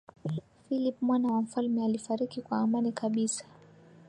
philip mwana wa mfalme alifariki kwa amani kabisa